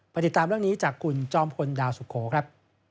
ติดตามเรื่องนี้จากคุณจอมพลดาวสุโขครับ